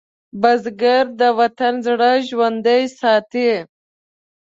بزګر د وطن زړه ژوندی ساتي